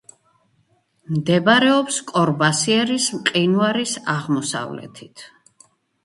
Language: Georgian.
მდებარეობს კორბასიერის მყინვარის აღმოსავლეთით.